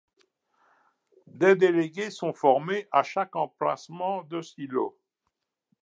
Des délégués sont formés à chaque emplacement de silos.